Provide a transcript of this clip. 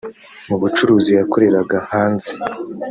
Mu bucuruzi yakoreraga hanze